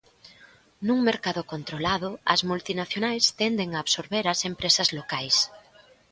Nun mercado controlado, as multinacionais tenden a absorber as empresas locais.